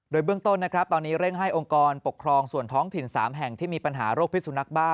โดยเบื้องต้นนะครับตอนนี้เร่งให้องค์กรปกครองส่วนท้องถิ่น๓แห่งที่มีปัญหาโรคพิสุนักบ้า